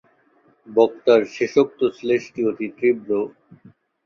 বক্তার শেষোক্ত শ্লেষটি অতি তীব্র।